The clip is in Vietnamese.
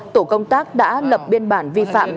tổ công tác đã lập biên bản vi phạm